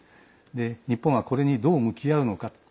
日本はこれにどう向き合うのか。